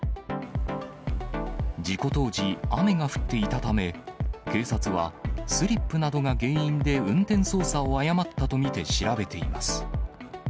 事故当時、雨が降っていたため、警察はスリップなどが原因で、運転操作を誤ったと見て調べています。